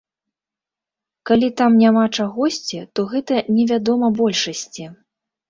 Калі там няма чагосьці, то гэта невядома большасці.